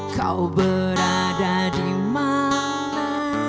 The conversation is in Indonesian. kau berada dimana